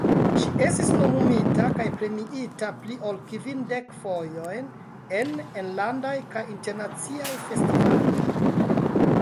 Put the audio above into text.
Ŝi estis nomumita kaj premiita pli ol kvindek fojojn en enlandaj kaj internaciaj festivaloj.